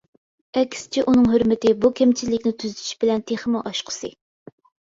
ئەكسىچە ئۇنىڭ ھۆرمىتى بۇ كەمچىللىكىنى تۈزىتىش بىلەن تېخىمۇ ئاشقۇسى!